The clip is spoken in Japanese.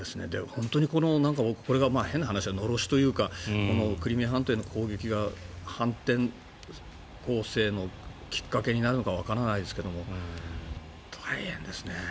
本当にこれが変な話のろしというかクリミア半島への攻撃が反転攻勢のきっかけになるのかわからないですけど大変ですね。